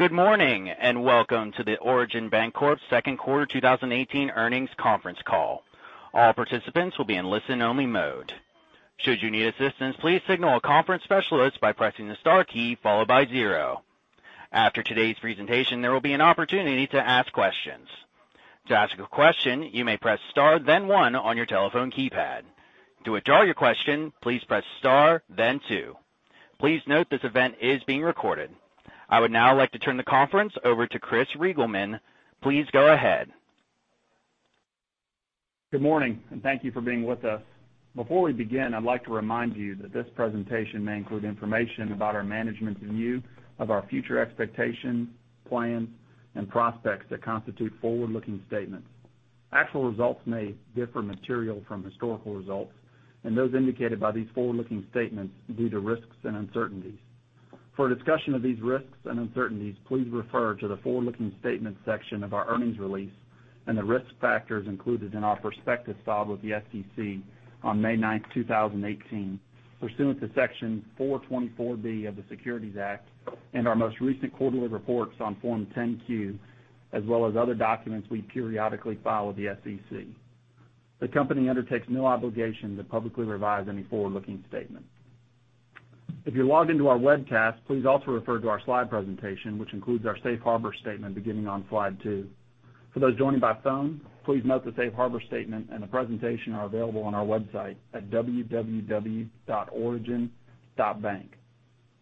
Good morning. Welcome to the Origin Bancorp second quarter 2018 earnings conference call. All participants will be in listen-only mode. Should you need assistance, please signal a conference specialist by pressing the star key followed by zero. After today's presentation, there will be an opportunity to ask questions. To ask a question, you may press star then one on your telephone keypad. To withdraw your question, please press star then two. Please note this event is being recorded. I would now like to turn the conference over to Chris Reigelman. Please go ahead. Good morning. Thank you for being with us. Before we begin, I'd like to remind you that this presentation may include information about our management view of our future expectations, plans, and prospects that constitute forward-looking statements. Actual results may differ materially from historical results and those indicated by these forward-looking statements due to risks and uncertainties. For a discussion of these risks and uncertainties, please refer to the forward-looking statements section of our earnings release and the risk factors included in our prospectus filed with the SEC on May 9th, 2018, pursuant to Section 424 of the Securities Act and our most recent quarterly reports on Form 10-Q, as well as other documents we periodically file with the SEC. The company undertakes no obligation to publicly revise any forward-looking statement. If you're logged into our webcast, please also refer to our slide presentation, which includes our safe harbor statement beginning on slide two. For those joining by phone, please note the safe harbor statement and the presentation are available on our website at www.origin.bank.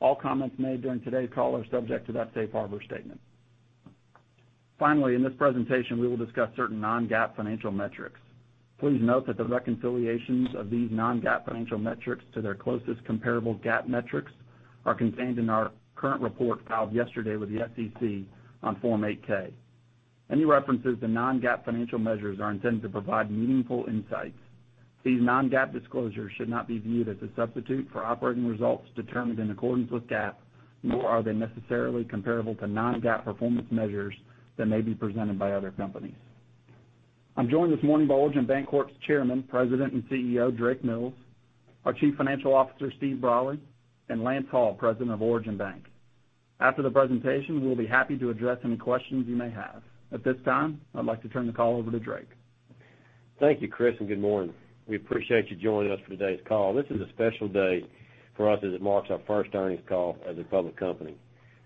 All comments made during today's call are subject to that safe harbor statement. Finally, in this presentation, we will discuss certain non-GAAP financial metrics. Please note that the reconciliations of these non-GAAP financial metrics to their closest comparable GAAP metrics are contained in our current report filed yesterday with the SEC on Form 8-K. Any references to non-GAAP financial measures are intended to provide meaningful insights. These non-GAAP disclosures should not be viewed as a substitute for operating results determined in accordance with GAAP, nor are they necessarily comparable to non-GAAP performance measures that may be presented by other companies. I'm joined this morning by Origin Bancorp's Chairman, President, and CEO, Drake Mills, our Chief Financial Officer, Stephen Brolly, and Lance Hall, President of Origin Bank. After the presentation, we'll be happy to address any questions you may have. At this time, I'd like to turn the call over to Drake. Thank you, Chris, and good morning. We appreciate you joining us for today's call. This is a special day for us as it marks our first earnings call as a public company.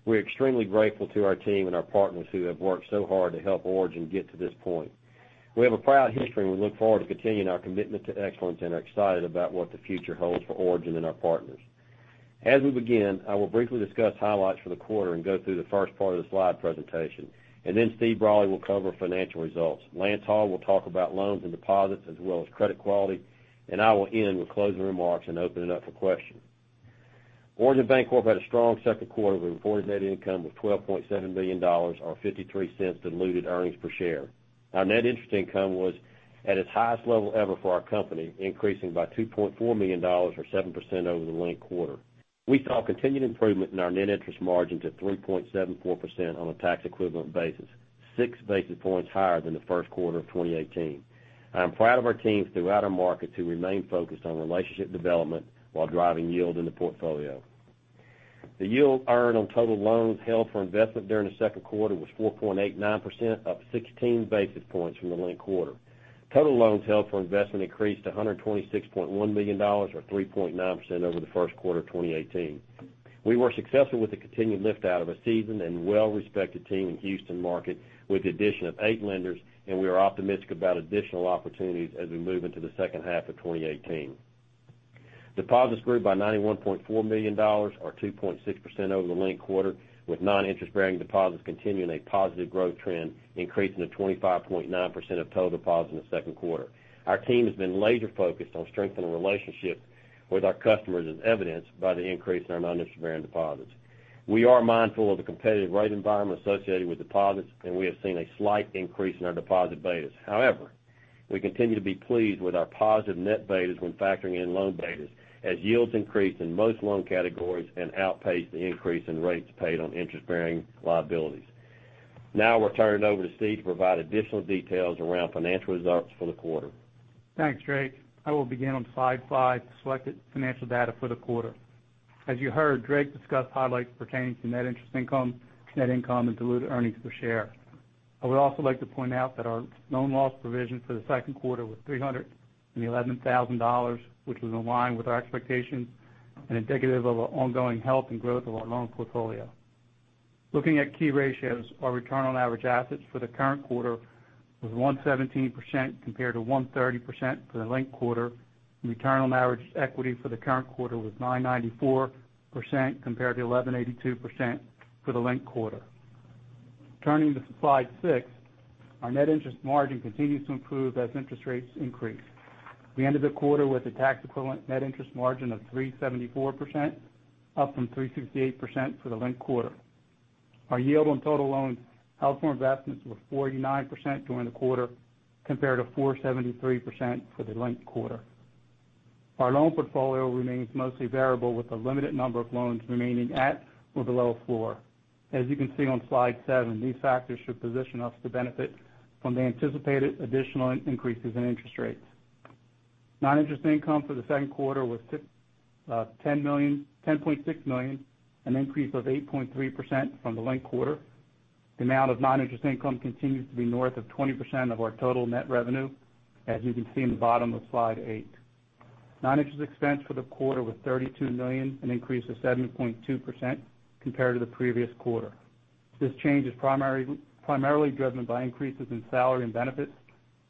We are extremely grateful to our team and our partners who have worked so hard to help Origin get to this point. We have a proud history, and we look forward to continuing our commitment to excellence and are excited about what the future holds for Origin and our partners. As we begin, I will briefly discuss highlights for the quarter and go through the first part of the slide presentation, then Steve Brolly will cover financial results. Lance Hall will talk about loans and deposits, as well as credit quality, and I will end with closing remarks and open it up for questions. Origin Bancorp had a strong second quarter. We reported net income of $12.7 million, or $0.53 diluted earnings per share. Our net interest income was at its highest level ever for our company, increasing by $2.4 million, or 7% over the linked quarter. We saw continued improvement in our net interest margins at 3.74% on a tax-equivalent basis, six basis points higher than the first quarter of 2018. I am proud of our teams throughout our markets who remain focused on relationship development while driving yield in the portfolio. The yield earned on total loans held for investment during the second quarter was 4.89%, up 16 basis points from the linked quarter. Total loans held for investment increased to $126.1 million, or 3.9% over the first quarter of 2018. We were successful with the continued lift-out of a seasoned and well-respected team in Houston market with the addition of eight lenders. We are optimistic about additional opportunities as we move into the second half of 2018. Deposits grew by $91.4 million, or 2.6% over the linked quarter, with noninterest-bearing deposits continuing a positive growth trend, increasing to 25.9% of total deposits in the second quarter. Our team has been laser-focused on strengthening relationships with our customers, as evidenced by the increase in our noninterest-bearing deposits. We are mindful of the competitive rate environment associated with deposits. We have seen a slight increase in our deposit betas. However, we continue to be pleased with our positive net betas when factoring in loan betas, as yields increase in most loan categories and outpace the increase in rates paid on interest-bearing liabilities. Now I will turn it over to Steve to provide additional details around financial results for the quarter. Thanks, Steve. I will begin on slide five, selected financial data for the quarter. As you heard, Drake discussed highlights pertaining to net interest income, net income, and diluted earnings per share. I would also like to point out that our loan loss provision for the second quarter was $311,000, which was in line with our expectations and indicative of the ongoing health and growth of our loan portfolio. Looking at key ratios, our return on average assets for the current quarter was 1.17% compared to 1.30% for the linked quarter. Return on average equity for the current quarter was 9.94% compared to 11.82% for the linked quarter. Turning to slide six, our net interest margin continues to improve as interest rates increase. We ended the quarter with a tax-equivalent net interest margin of 3.74%, up from 3.68% for the linked quarter. Our yield on total loans held for investments was 4.89% during the quarter, compared to 4.73% for the linked quarter. Our loan portfolio remains mostly variable, with a limited number of loans remaining at or below floor. As you can see on slide seven, these factors should position us to benefit from the anticipated additional increases in interest rates. Non-interest income for the second quarter was $10.6 million, an increase of 8.3% from the linked quarter. The amount of non-interest income continues to be north of 20% of our total net revenue, as you can see in the bottom of slide eight. Non-interest expense for the quarter was $32 million, an increase of 7.2% compared to the previous quarter. This change is primarily driven by increases in salary and benefits,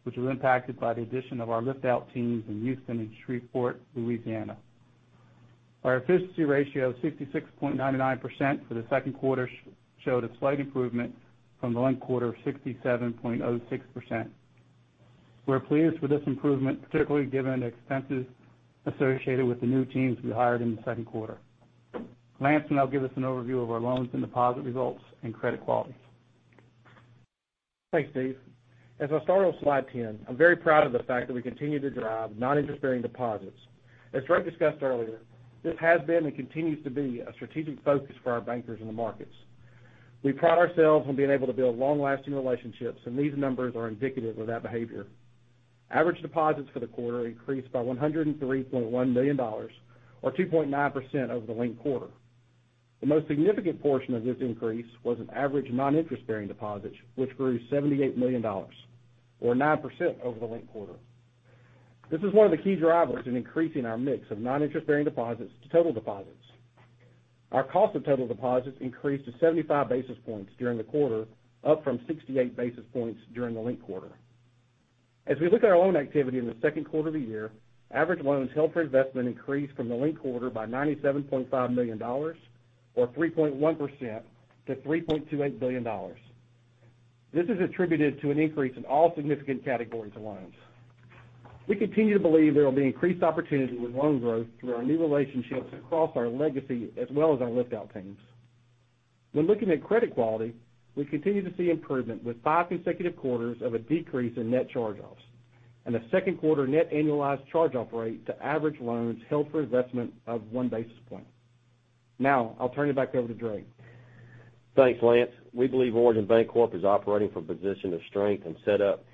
which was impacted by the addition of our lift-out teams in Houston and Shreveport, Louisiana. Our efficiency ratio of 66.99% for the second quarter showed a slight improvement from the linked quarter of 67.06%. We're pleased with this improvement, particularly given the expenses associated with the new teams we hired in the second quarter. Lance will now give us an overview of our loans and deposit results and credit quality. Thanks, Steve. As I start on slide 10, I'm very proud of the fact that we continue to drive noninterest-bearing deposits. As Drake discussed earlier, this has been and continues to be a strategic focus for our bankers in the markets. We pride ourselves on being able to build long-lasting relationships, and these numbers are indicative of that behavior. Average deposits for the quarter increased by $103.1 million, or 2.9% over the linked quarter. The most significant portion of this increase was in average noninterest-bearing deposits, which grew $78 million, or 9% over the linked quarter. This is one of the key drivers in increasing our mix of noninterest-bearing deposits to total deposits. Our cost of total deposits increased to 75 basis points during the quarter, up from 68 basis points during the linked quarter. As we look at our loan activity in the second quarter of the year, average loans held for investment increased from the linked quarter by $97.5 million, or 3.1%, to $3.28 billion. This is attributed to an increase in all significant categories of loans. We continue to believe there will be increased opportunity with loan growth through our new relationships across our legacy as well as our lift-out teams. When looking at credit quality, we continue to see improvement with five consecutive quarters of a decrease in net charge-offs, and a second quarter net annualized charge-off rate to average loans held for investment of one basis point. I'll turn it back over to Drake. Thanks, Lance. We believe Origin Bancorp is operating from a position of strength and set up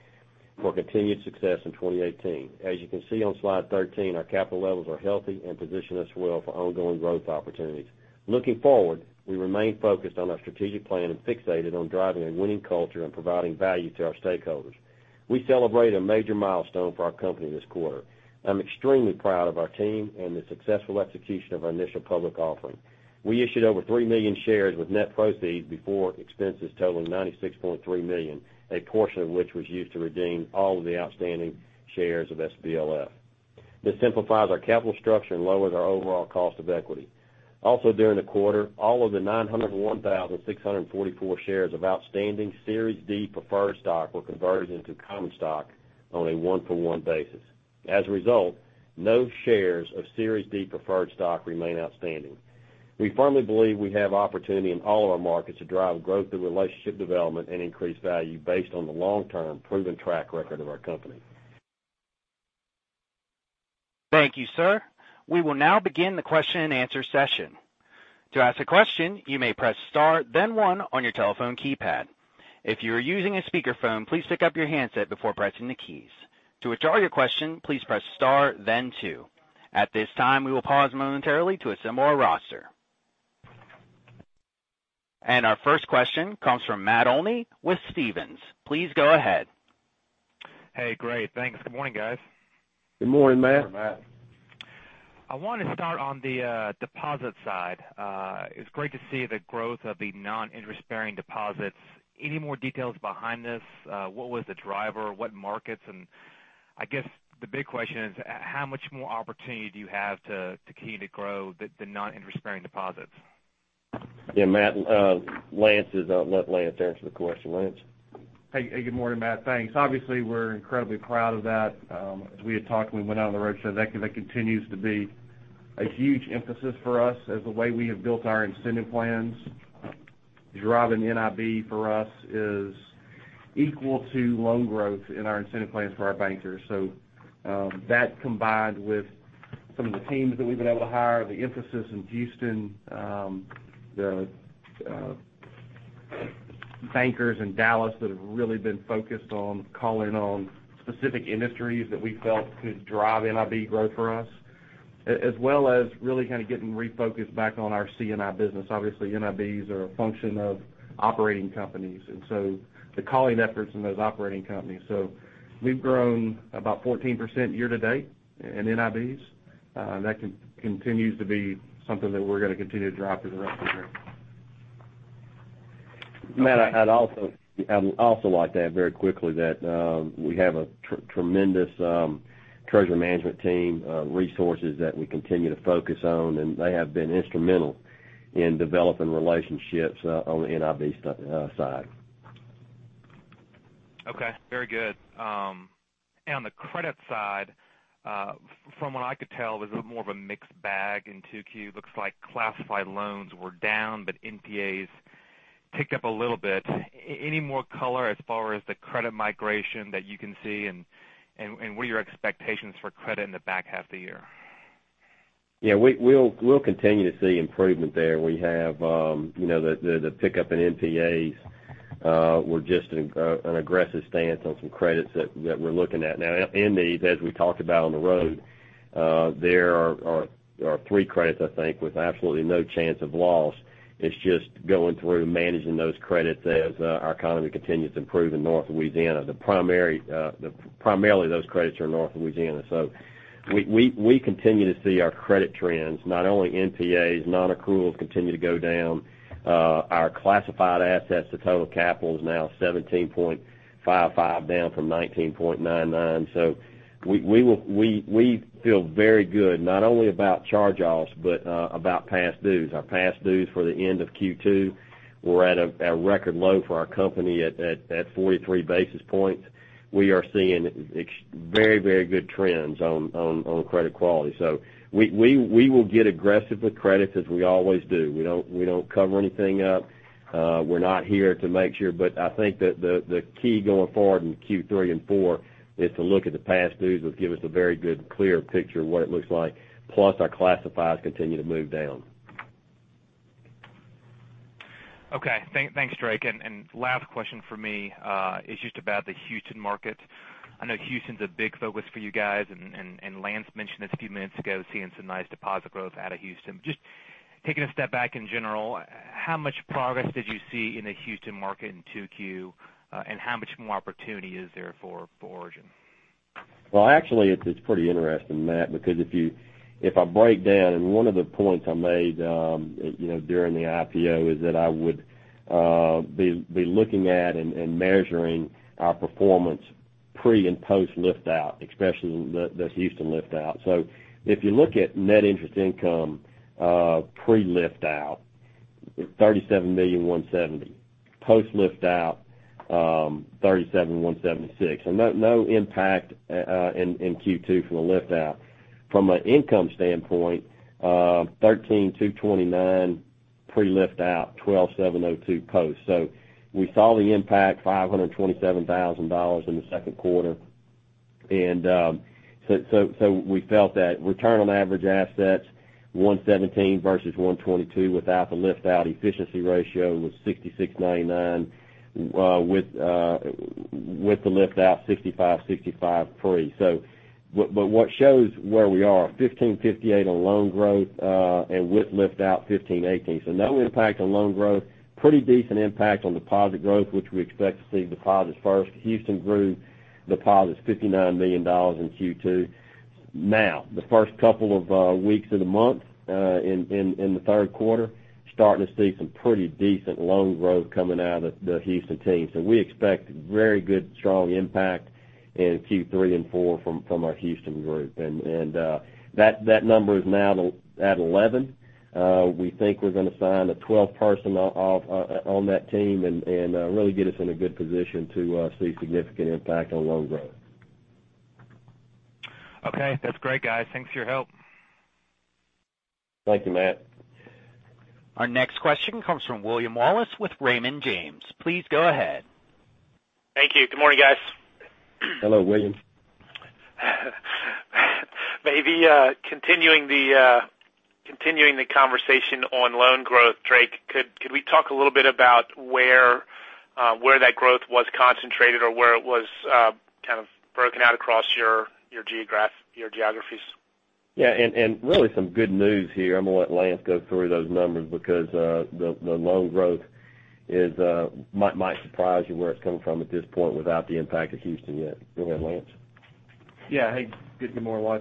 for continued success in 2018. As you can see on slide 13, our capital levels are healthy and position us well for ongoing growth opportunities. Looking forward, we remain focused on our strategic plan and fixated on driving a winning culture and providing value to our stakeholders. We celebrate a major milestone for our company this quarter. I'm extremely proud of our team and the successful execution of our initial public offering. We issued over 3 million shares with net proceeds before expenses totaling $96.3 million, a portion of which was used to redeem all of the outstanding shares of SBLF. This simplifies our capital structure and lowers our overall cost of equity. During the quarter, all of the 901,644 shares of outstanding Series D preferred stock were converted into common stock on a one-for-one basis. As a result, no shares of Series D preferred stock remain outstanding. We firmly believe we have opportunity in all of our markets to drive growth through relationship development and increase value based on the long-term proven track record of our company. Thank you, sir. We will now begin the question and answer session. To ask a question, you may press star then one on your telephone keypad. If you are using a speakerphone, please pick up your handset before pressing the keys. To withdraw your question, please press star then two. At this time, we will pause momentarily to assemble our roster. Our first question comes from Matt Olney with Stephens. Please go ahead. Hey, great. Thanks. Good morning, guys. Good morning, Matt. Good morning, Matt. I want to start on the deposit side. It's great to see the growth of the non-interest-bearing deposits. Any more details behind this? What was the driver? What markets? I guess the big question is, how much more opportunity do you have to continue to grow the non-interest-bearing deposits? Yeah, Matt, I'll let Lance answer the question. Lance? Hey. Good morning, Matt. Thanks. We're incredibly proud of that. As we had talked when we went out on the roadshow, that continues to be a huge emphasis for us as the way we have built our incentive plans. Driving NIB for us is equal to loan growth in our incentive plans for our bankers. That combined with some of the teams that we've been able to hire, the emphasis in Houston, the bankers in Dallas that have really been focused on calling on specific industries that we felt could drive NIB growth for us, as well as really kind of getting refocused back on our C&I business. NIBs are a function of operating companies, the calling efforts in those operating companies. We've grown about 14% year to date in NIBs. That continues to be something that we're going to continue to drive for the rest of the year. Matt, I'd also like to add very quickly that we have a tremendous treasury management team, resources that we continue to focus on, and they have been instrumental in developing relationships on the NIB side. Okay. Very good. On the credit side, from what I could tell, it was more of a mixed bag in 2Q. Looks like classified loans were down, but NPAs ticked up a little bit. Any more color as far as the credit migration that you can see, and what are your expectations for credit in the back half of the year? Yeah, we'll continue to see improvement there. We have the pickup in NPAs. We're just an aggressive stance on some credits that we're looking at now. In these, as we talked about on the road, there are three credits, I think, with absolutely no chance of loss. It's just going through managing those credits as our economy continues to improve in North Louisiana. Primarily, those credits are in North Louisiana. We continue to see our credit trends, not only NPAs, non-accruals continue to go down. Our classified assets to total capital is now 17.55, down from 19.99. We feel very good, not only about charge-offs, but about past dues. Our past dues for the end of Q2 were at a record low for our company at 43 basis points. We are seeing very good trends on credit quality. We will get aggressive with credits as we always do. We don't cover anything up. We're not here to make sure. I think that the key going forward in Q3 and four is to look at the past dues. That'll give us a very good, clear picture of what it looks like, plus our classifieds continue to move down. Okay. Thanks, Drake. Last question for me is just about the Houston market. I know Houston's a big focus for you guys, and Lance mentioned this a few minutes ago, seeing some nice deposit growth out of Houston. Just taking a step back in general, how much progress did you see in the Houston market in 2Q, and how much more opportunity is there for Origin? Well, actually, it's pretty interesting, Matt Olney, because if I break down, one of the points I made during the IPO is that I would be looking at and measuring our performance pre- and post-lift out, especially this Houston lift out. If you look at net interest income, pre-lift out, $37,170,000. Post lift out, $37,176,000. No impact in Q2 from the lift out. From an income standpoint, $13,229,000 pre-lift out, $12,702,000 post. We saw the impact, $527,000 in the second quarter. We felt that return on average assets, 117 versus 122 without the lift out efficiency ratio was 66.99%, with the lift out, 65.65% pre. What shows where we are, 1,558 on loan growth, with lift out, 1,518. No impact on loan growth, pretty decent impact on deposit growth, which we expect to see deposits first. Houston grew deposits $59 million in Q2. The first couple of weeks of the month in the third quarter, starting to see some pretty decent loan growth coming out of the Houston team. We expect very good, strong impact in Q3 and four from our Houston group. That number is now at 11. We think we're going to sign a 12th person on that team and really get us in a good position to see significant impact on loan growth. That's great, guys. Thanks for your help. Thank you, Matt Olney. Our next question comes from Wally Wallace with Raymond James. Please go ahead. Thank you. Good morning, guys. Hello, William. Maybe continuing the conversation on loan growth, Drake, could we talk a little bit about where that growth was concentrated or where it was kind of broken out across your geographies? Really some good news here. I'm going to let Lance go through those numbers because the loan growth might surprise you where it's coming from at this point without the impact of Houston yet. Go ahead, Lance. Yeah. Hey, good morning, Wally.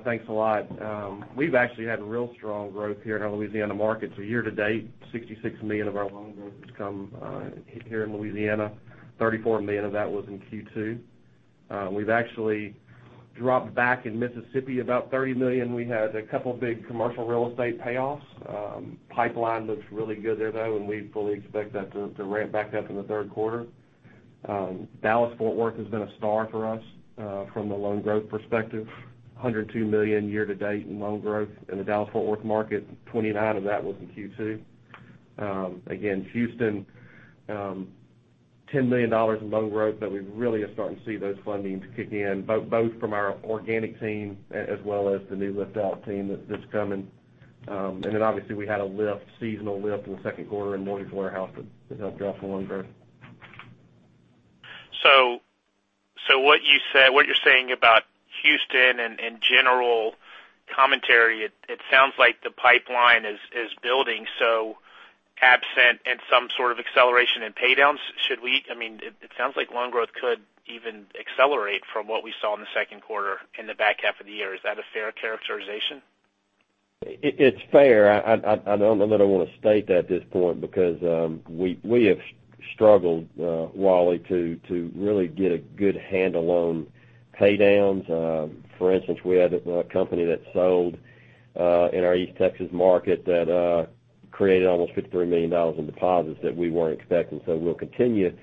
Thanks a lot. We've actually had real strong growth here in our Louisiana market. Year to date, $66 million of our loan growth has come here in Louisiana, $34 million of that was in Q2. We've actually dropped back in Mississippi about $30 million. We had a couple of big commercial real estate payoffs. Pipeline looks really good there, though. We fully expect that to ramp back up in the third quarter. Dallas-Fort Worth has been a star for us from the loan growth perspective, $102 million year to date in loan growth in the Dallas-Fort Worth market. $29 of that was in Q2. Again, Houston, $10 million in loan growth. We really are starting to see those fundings kick in, both from our organic team as well as the new lift out team that's coming. Obviously we had a seasonal lift in the second quarter in mortgage warehouse that helped drive the loan growth. What you're saying about Houston and general commentary, it sounds like the pipeline is building, absent some sort of acceleration in pay downs, it sounds like loan growth could even accelerate from what we saw in the second quarter in the back half of the year. Is that a fair characterization? It's fair. I don't know that I want to state that at this point because we have struggled, Wally, to really get a good handle on paydowns. For instance, we had a company that sold in our East Texas market that created almost $53 million in deposits that we weren't expecting. We'll continue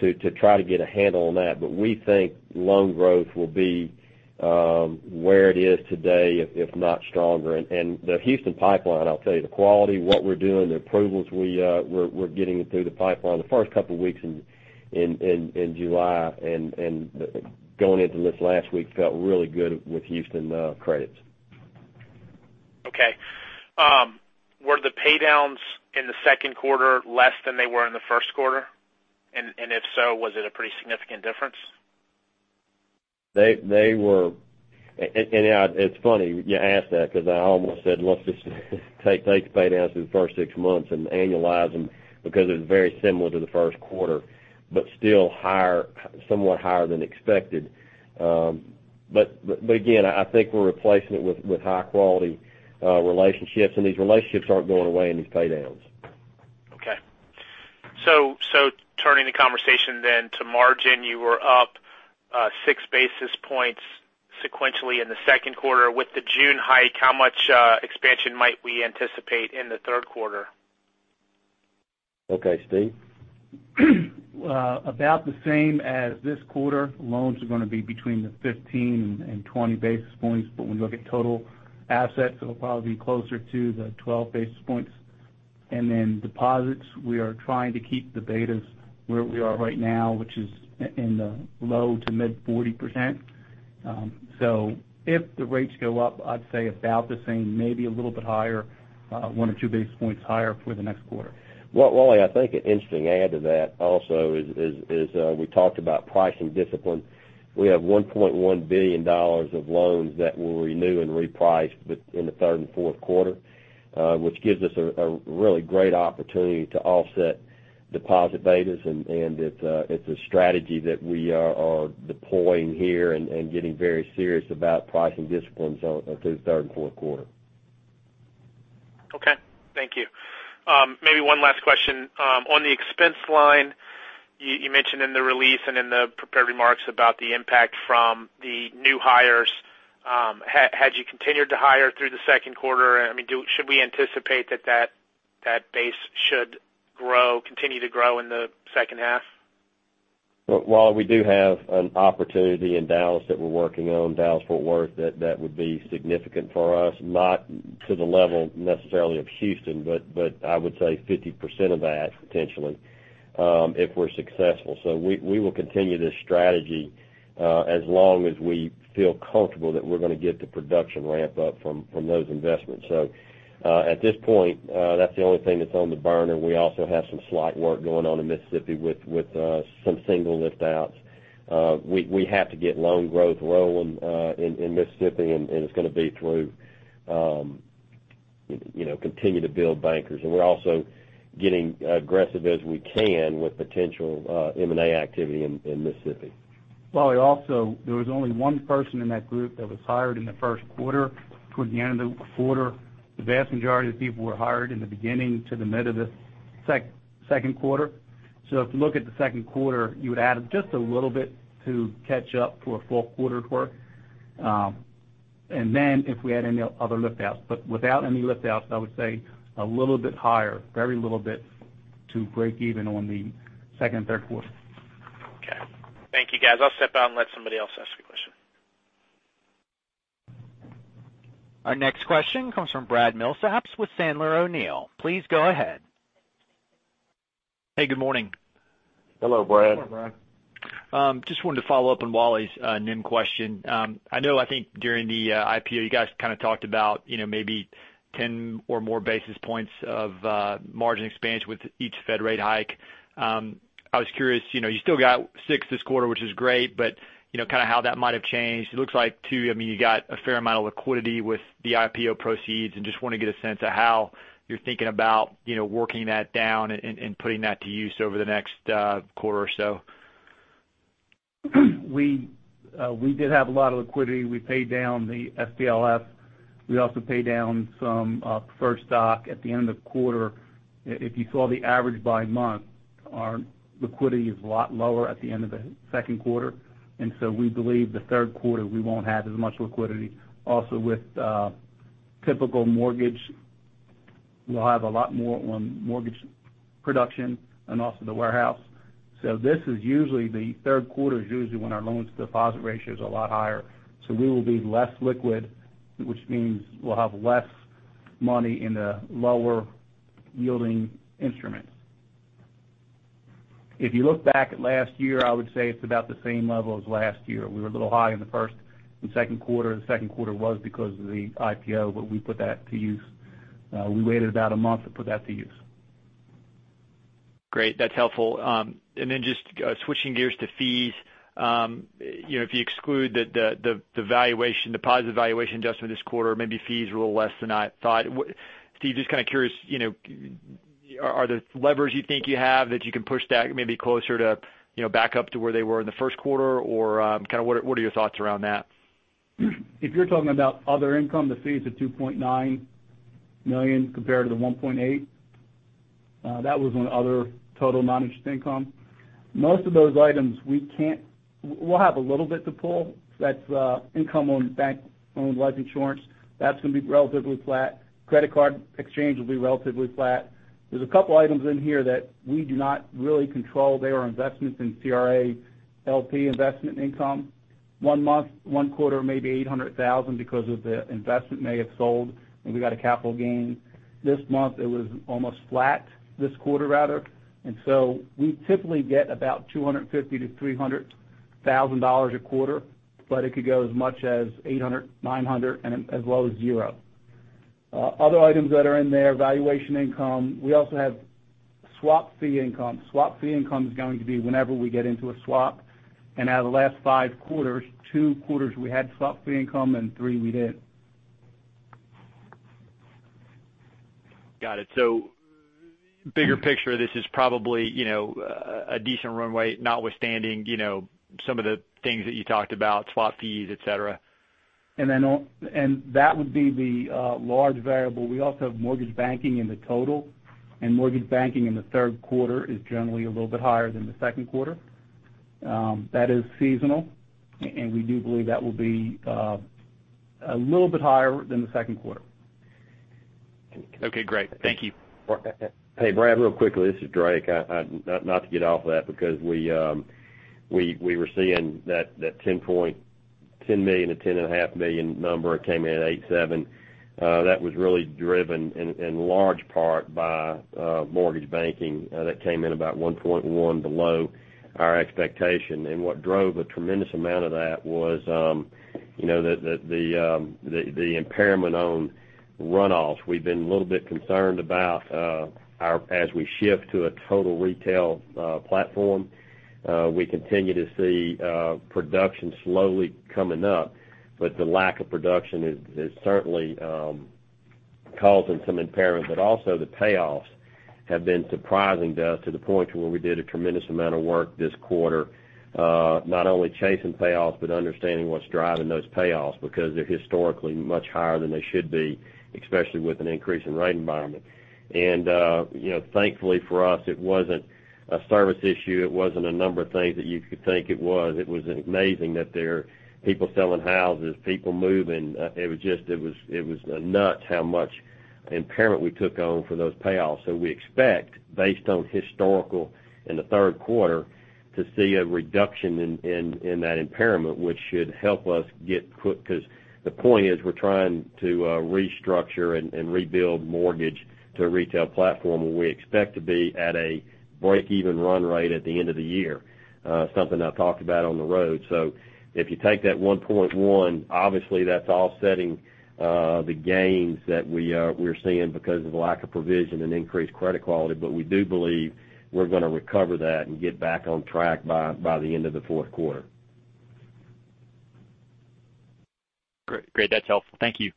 to try to get a handle on that. We think loan growth will be where it is today, if not stronger. The Houston pipeline, I'll tell you, the quality, what we're doing, the approvals we're getting through the pipeline, the first couple of weeks in July and going into this last week felt really good with Houston credits. Okay. Were the paydowns in the second quarter less than they were in the first quarter? If so, was it a pretty significant difference? They were. It's funny you asked that because I almost said, let's just take the paydowns through the first six months and annualize them because it was very similar to the first quarter, but still somewhat higher than expected. Again, I think we're replacing it with high-quality relationships, and these relationships aren't going away in these paydowns. Okay. Turning the conversation then to margin, you were up six basis points sequentially in the second quarter. With the June hike, how much expansion might we anticipate in the third quarter? Okay. Steve? About the same as this quarter. Loans are going to be between the 15 and 20 basis points, but when you look at total assets, it'll probably be closer to the 12 basis points. Deposits, we are trying to keep the betas where we are right now, which is in the low to mid 40%. If the rates go up, I'd say about the same, maybe a little bit higher, one or two basis points higher for the next quarter. Well, Wally, I think an interesting add to that also is we talked about pricing discipline. We have $1.1 billion of loans that we'll renew and reprice in the third and fourth quarter, which gives us a really great opportunity to offset deposit betas. It's a strategy that we are deploying here and getting very serious about pricing disciplines through the third and fourth quarter. Okay. Thank you. Maybe one last question. On the expense line, you mentioned in the release and in the prepared remarks about the impact from the new hires. Had you continued to hire through the second quarter, should we anticipate that that base should continue to grow in the second half? Well, we do have an opportunity in Dallas that we're working on, Dallas-Fort Worth, that would be significant for us, not to the level necessarily of Houston, but I would say 50% of that potentially, if we're successful. We will continue this strategy, as long as we feel comfortable that we're going to get the production ramp-up from those investments. At this point, that's the only thing that's on the burner. We also have some slight work going on in Mississippi with some single lift-outs. We have to get loan growth rolling in Mississippi, and it's going to be through continuing to build bankers. We're also getting aggressive as we can with potential M&A activity in Mississippi. Wally, also, there was only one person in that group that was hired in the first quarter. Towards the end of the quarter, the vast majority of the people were hired in the beginning to the mid of the second quarter. If you look at the second quarter, you would add just a little bit to catch up for a full quarter of work. Then if we had any other lift-outs. Without any lift-outs, I would say a little bit higher, very little bit to break even on the second and third quarter. Okay. Thank you, guys. I'll step out and let somebody else ask a question. Our next question comes from Brad Milsaps with Sandler O'Neill. Please go ahead. Hey, good morning. Hello, Brad. Good morning, Brad. Just wanted to follow up on Wally's NIM question. I know, I think during the IPO, you guys kind of talked about maybe 10 or more basis points of margin expansion with each Fed rate hike. I was curious, you still got six this quarter, which is great, but kind of how that might have changed. It looks like too, you got a fair amount of liquidity with the IPO proceeds, and just want to get a sense of how you're thinking about working that down and putting that to use over the next quarter or so. We did have a lot of liquidity. We paid down the FHLB. We also paid down some Fed stock at the end of the quarter. If you saw the average by month, our liquidity is a lot lower at the end of the second quarter. We believe the third quarter, we won't have as much liquidity. Also with typical mortgage, we'll have a lot more on mortgage production and also the warehouse. The third quarter is usually when our loans deposit ratio is a lot higher. We will be less liquid, which means we'll have less money in the lower yielding instruments. If you look back at last year, I would say it's about the same level as last year. We were a little high in the first and second quarter. The second quarter was because of the IPO, but we put that to use. We waited about a month to put that to use. Great. That's helpful. Then just switching gears to fees. If you exclude the positive valuation adjustment this quarter, maybe fees are a little less than I thought. Steve, just kind of curious, are there levers you think you have that you can push that maybe closer to back up to where they were in the first quarter, or what are your thoughts around that? If you're talking about other income, the fees of $2.9 million compared to the $1.8 million, that was on other total non-interest income. Most of those items, we'll have a little bit to pull. That's income on bank-owned life insurance. That's going to be relatively flat. Credit card exchange will be relatively flat. There's a couple items in here that we do not really control. They are investments in CRA, LP investment income. One quarter, maybe $800,000 because of the investment may have sold, and we got a capital gain. This month it was almost flat, this quarter rather. We typically get about $250,000-$300,000 a quarter, but it could go as much as $800,000, $900,000, and as low as zero. Other items that are in there, valuation income. We also have swap fee income. Swap fee income is going to be whenever we get into a swap. Out of the last five quarters, two quarters we had swap fee income, and three we didn't. Bigger picture, this is probably a decent runway, notwithstanding some of the things that you talked about, swap fees, et cetera. That would be the large variable. We also have mortgage banking in the total. Mortgage banking in the third quarter is generally a little bit higher than the second quarter. That is seasonal, we do believe that will be a little bit higher than the second quarter. Okay, great. Thank you. Hey, Brad, real quickly, this is Drake. Not to get off of that because we were seeing that $10 million-$10.5 million number. It came in at 8.7. That was really driven, in large part, by mortgage banking. That came in about 1.1 below our expectation. What drove a tremendous amount of that was the impairment on runoffs. We've been a little bit concerned about as we shift to a total retail platform, we continue to see production slowly coming up. The lack of production is certainly causing some impairment. Also the payoffs have been surprising to us to the point to where we did a tremendous amount of work this quarter, not only chasing payoffs, but understanding what's driving those payoffs because they're historically much higher than they should be, especially with an increase in rate environment. Thankfully for us, it wasn't a service issue. It wasn't a number of things that you could think it was. It was amazing that there are people selling houses, people moving. It was nuts how much impairment we took on for those payoffs. We expect, based on historical in the third quarter, to see a reduction in that impairment, which should help us get because the point is we're trying to restructure and rebuild mortgage to a retail platform where we expect to be at a break-even run rate at the end of the year, something I've talked about on the road. If you take that 1.1, obviously, that's offsetting the gains that we're seeing because of the lack of provision and increased credit quality. We do believe we're going to recover that and get back on track by the end of the fourth quarter. Great. That's helpful. Thank you.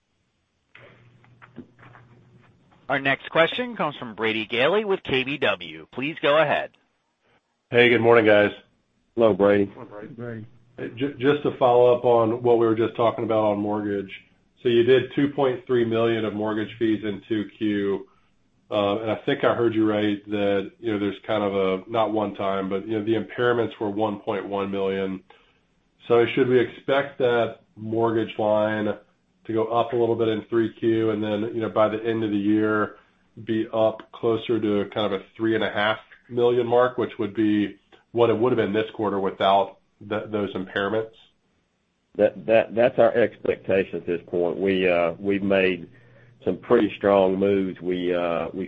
Our next question comes from Brady Gailey with KBW. Please go ahead. Hey, good morning, guys. Hello, Brady. Hello, Brady. Brady. Just to follow up on what we were just talking about on mortgage. You did $2.3 million of mortgage fees in 2Q. I think I heard you right that there's kind of a, not one time, but the impairments were $1.1 million. Should we expect that mortgage line to go up a little bit in 3Q, and then, by the end of the year, be up closer to a kind of a three and a half million mark, which would be what it would've been this quarter without those impairments? That's our expectation at this point. We've made some pretty strong moves. We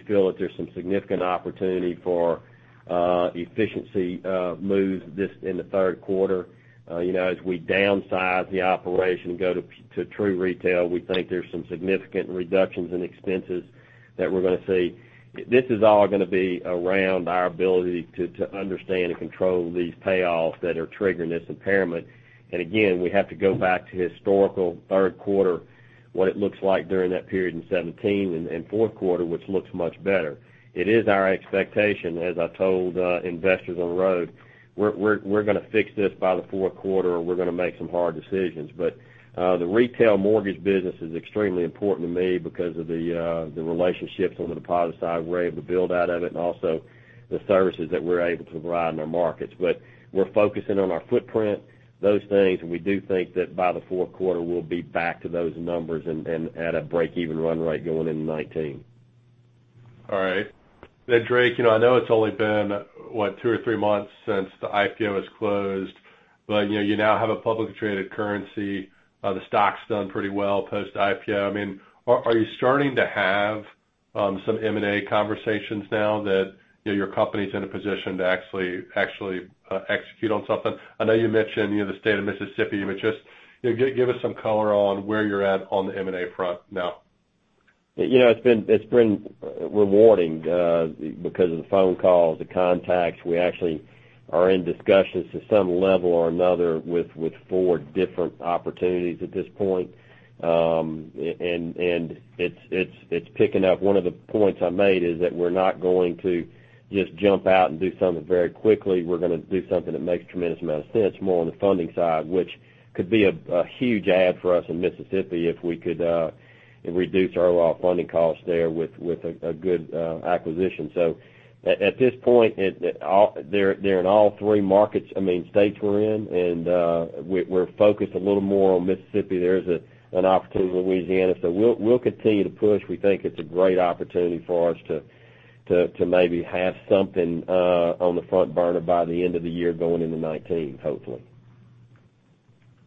feel that there's some significant opportunity for efficiency moves in the third quarter. As we downsize the operation and go to true retail, we think there's some significant reductions in expenses that we're going to see. This is all going to be around our ability to understand and control these payoffs that are triggering this impairment. Again, we have to go back to historical third quarter, what it looks like during that period in 2017 and fourth quarter, which looks much better. It is our expectation, as I told investors on the road, we're going to fix this by the fourth quarter, or we're going to make some hard decisions. The retail mortgage business is extremely important to me because of the relationships on the deposit side we're able to build out of it and also the services that we're able to provide in our markets. We're focusing on our footprint, those things, and we do think that by the fourth quarter, we'll be back to those numbers and at a break-even run rate going into 2019. All right. Drake, I know it's only been, what, two or three months since the IPO has closed. You now have a publicly traded currency. The stock's done pretty well post-IPO. Are you starting to have some M&A conversations now that your company's in a position to actually execute on something? I know you mentioned the State of Mississippi, but just give us some color on where you're at on the M&A front now. It's been rewarding because of the phone calls, the contacts. We actually are in discussions to some level or another with four different opportunities at this point. It's picking up. One of the points I made is that we're not going to just jump out and do something very quickly. We're going to do something that makes a tremendous amount of sense more on the funding side, which could be a huge add for us in Mississippi if we could reduce our overall funding costs there with a good acquisition. At this point, they're in all three markets, I mean, states we're in, and we're focused a little more on Mississippi. There is an opportunity in Louisiana. We'll continue to push. We think it's a great opportunity for us to maybe have something on the front burner by the end of the year going into 2019, hopefully.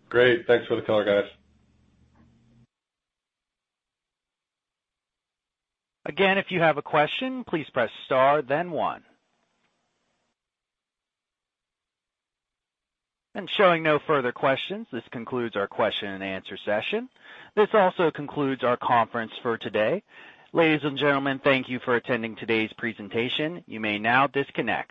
Great. Thanks for the color, guys. Again, if you have a question, please press star, then one. Showing no further questions, this concludes our question and answer session. This also concludes our conference for today. Ladies and gentlemen, thank you for attending today's presentation. You may now disconnect.